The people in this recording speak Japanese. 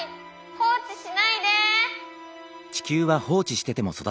放置しないで！